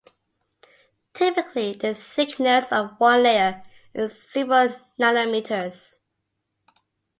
Typically, the thickness of one layer is several nanometers.